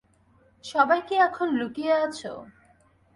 সবাই কি এখন লুকিয়ে আছো?